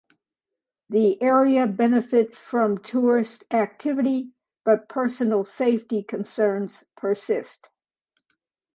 The area benefits from tourist activity but personal safety concerns persist.